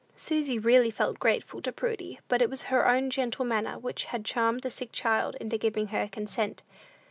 Susy really felt grateful to Prudy, but it was her own gentle manner which had charmed the sick child into giving her consent.